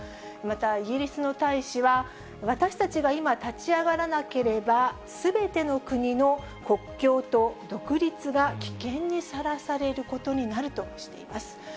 また、イギリスの大使は、私たちが今、立ち上がらなければ、すべての国の国境と独立が危険にさらされることになるとしています。